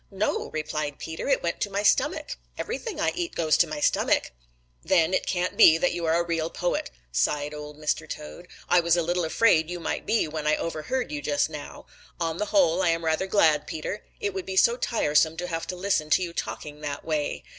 "No," replied Peter, "it went to my stomach. Everything I eat goes to my stomach." "Then it can't be that you are a real poet," sighed Old Mr. Toad. "I was a little afraid you might be when I overheard you just now. On the whole I am rather glad, Peter. It would be so tiresome to have to listen to you talking that way.